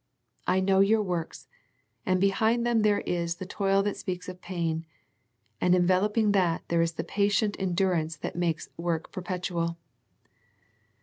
I know your works, and that behind them there is the toil that speaks of pain, and enveloping that there is the patient endurance that makes work perpetual.